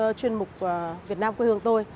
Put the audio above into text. và chuyên mục việt nam quê hương tôi